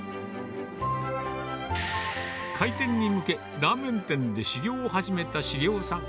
開店に向け、ラーメン店で修業を始めた茂雄さん。